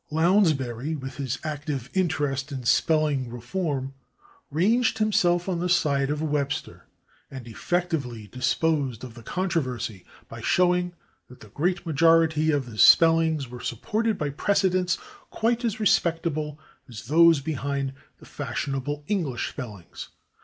Lounsbury, with his active interest in spelling reform, ranged himself on the side of Webster, and effectively disposed of the controversy by showing that the great majority of his spellings were supported by precedents quite as respectable as those behind the fashionable English spellings.